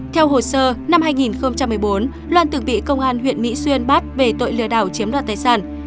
theo hồ sơ năm hai nghìn một mươi bốn loan từng bị công an huyện mỹ xuyên bắt về tội lừa đảo chiếm đoạt tài sản